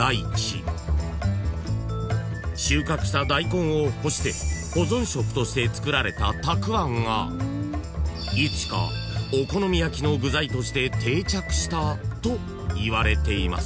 ［収穫したダイコンを干して保存食として作られたたくあんがいつしかお好み焼きの具材として定着したといわれています］